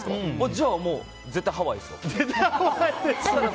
じゃあ、絶対ハワイですよ。